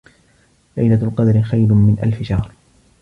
لَيلَةُ القَدرِ خَيرٌ مِن أَلفِ شَهرٍ